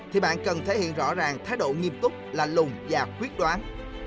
thì bạn cần thể hiện rõ ràng thái độ nghiêm túc là lùng và quyết đoán